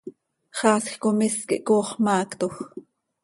Xaasj com is quih coox maactoj.